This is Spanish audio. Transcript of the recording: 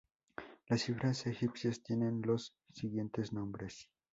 Las cifras egipcias tienen los siguientes nombres.